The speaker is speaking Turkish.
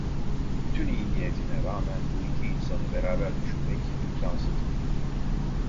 Bütün iyi niyetine rağmen, bu iki insanı beraber düşünmek imkânsızdı.